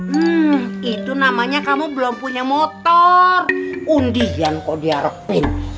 hmm itu namanya kamu belum punya motor undian kok diharapin